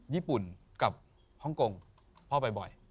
ญี่ปุ่นกับฮ่องกงพ่อบ่อย